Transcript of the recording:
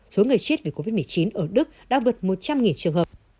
số người chết vì covid một mươi chín ở đức đã vượt một trăm linh trường hợp